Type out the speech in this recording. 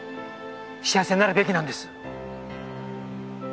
幸せになるべきなんです。